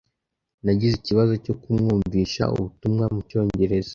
Nagize ikibazo cyo kumwumvisha ubutumwa mucyongereza.